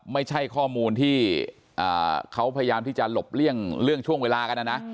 ไม่ใช่ข้อมูลที่เขาพยายามที่จะหลบเลี่ยงเรื่องช่วงเวลากันนะนะ